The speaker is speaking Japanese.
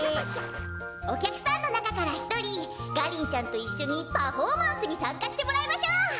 おきゃくさんのなかからひとりガリンちゃんといっしょにパフォーマンスにさんかしてもらいましょう！